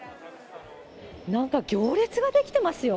なんか行列が出来てますよ。